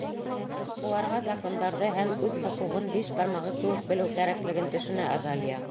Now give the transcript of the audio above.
Эшҡыуарға закондарҙы һәм үҙ хоҡуғын биш бармағы кеүек белеү кәрәклеген төшөнә Азалия.